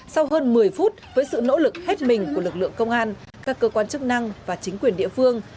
sau hơn một mươi phút với sự nỗ lực hết mình của lực lượng công an các cơ quan chức năng và chính quyền địa phương